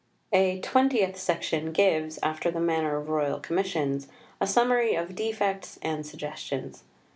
A twentieth section gives, after the manner of Royal Commissions, a summary of Defects and Suggestions.